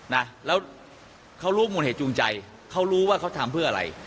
นะแล้วเขารู้มูลเหตุจูงใจเขารู้ว่าเขาทำเพื่ออะไร